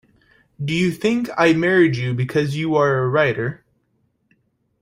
Do you think I married you because you're a writer?